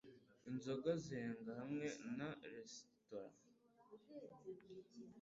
inzoga zenga hamwe na resitora